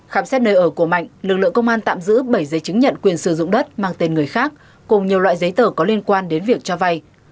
khám xét nơi ở của mạnh lực lượng công an tạm giữ bảy giấy chứng nhận quyền sử dụng đất mang tên người khác cùng nhiều loại giấy tờ có liên quan đến việc cho vay